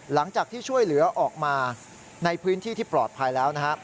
หลังจากที่ช่วยเหลือออกมาในพื้นที่ที่ปลอดภัยแล้วนะฮะ